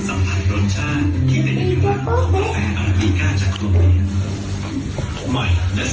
อะไรกันไกล